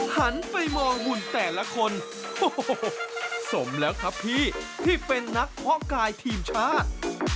หันไปมองหุ่นแต่ละคนโอ้โหสมแล้วครับพี่ที่เป็นนักเพาะกายทีมชาติ